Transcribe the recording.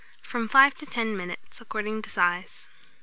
From 5 to 10 minutes, according to size.